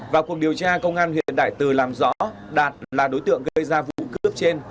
vào cuộc điều tra công an huyện đại từ làm rõ đạt là đối tượng gây ra vụ cướp trên